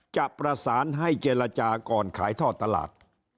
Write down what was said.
จะประสานให้เจรจาก่อนขายท่อตลาด